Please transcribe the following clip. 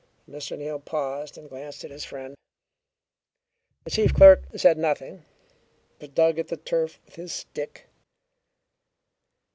Mr. Neal paused and glanced at his friend. The chief clerk said nothing, but dug at the turf with his stick.